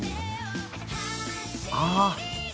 ああ！